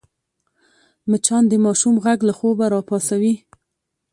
مچان د ماشوم غږ له خوبه راپاڅوي